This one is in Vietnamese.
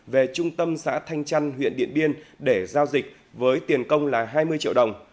về trung tâm xã thanh trăn huyện điện biên để giao dịch với tiền công là hai mươi triệu đồng